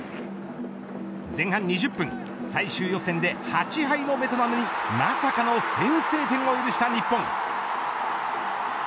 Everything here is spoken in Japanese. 前半２０分最終予選で８敗のベトナムにまさかの先制点を許した日本。